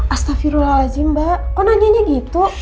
astaghfirullahaladzim mbak kok nanyanya gitu